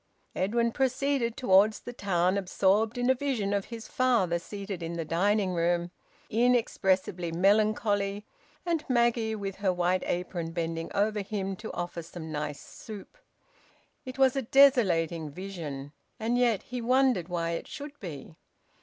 Edwin proceeded towards the town, absorbed in a vision of his father seated in the dining room, inexpressibly melancholy, and Maggie with her white apron bending over him to offer some nice soup. It was a desolating vision and yet he wondered why it should be!